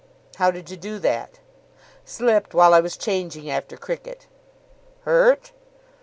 "How did you do that?" "Slipped while I was changing after cricket." "Hurt?"